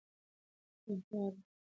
روغتیا پازه ده.